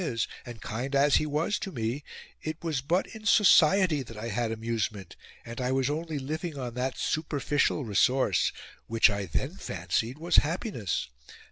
is, and kind as he was to me, it was but in Society that I had amusement, and I was only living on that superficial resource, which I THEN FANCIED was happiness!